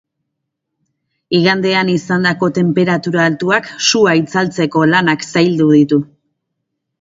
Igandean izandako tenperatura altuak sua itzaltzeko lanak zaildu ditu.